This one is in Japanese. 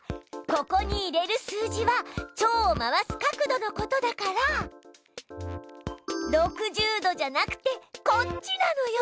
ここに入れる数字はチョウを回す角度のことだから６０度じゃなくてこっちなのよ！